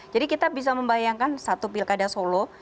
jadi kita bisa membayangkan satu pilkada solo